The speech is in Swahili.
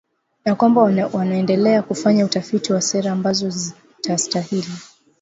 na kwamba wanaendelea kufanya utafiti wa sera ambazo zitastahili